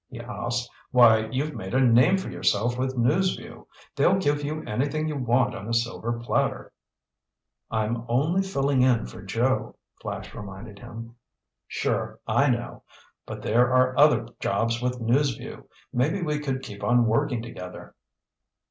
he asked. "Why, you've made a name for yourself with News Vue. They'll give you anything you want on a silver platter." "I'm only filling in for Joe," Flash reminded him. "Sure, I know. But there are other jobs with News Vue. Maybe we could keep on working together."